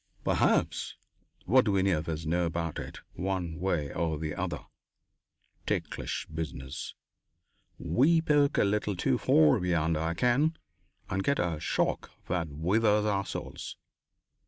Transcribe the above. "Perhaps. What do any of us know about it, one way or the other? Ticklish business! We poke a little too far beyond our ken and get a shock that withers our souls.